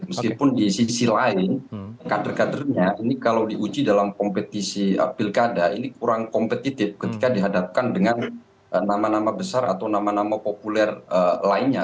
meskipun di sisi lain kader kadernya ini kalau diuji dalam kompetisi pilkada ini kurang kompetitif ketika dihadapkan dengan nama nama besar atau nama nama populer lainnya